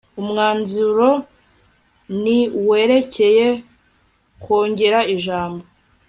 umwanzuro n werekeye kwongera ijambo